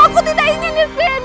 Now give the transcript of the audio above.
aku tidak ingin disini